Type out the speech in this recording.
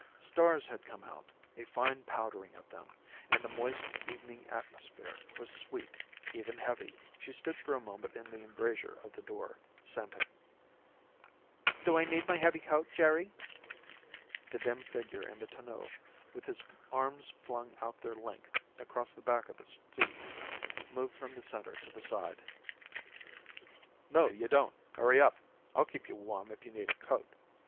Stars had come out, a fine powdering of them, and the moist evening atmosphere was sweet, even heavy. She stood for a moment in the embrasure of the door, scenting. "Do I need my heavy coat, Jerry?" The dim figure in the tonneau, with his arms flung out their length across the back of the seat, moved from the center to the side. "No, you don't. Hurry up! I'll keep you warm if you need a coat.